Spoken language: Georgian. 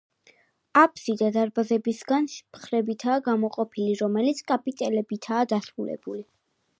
აფსიდა დარბაზისგან მხრებითაა გამოყოფილი, რომელიც კაპიტელებითაა დასრულებული.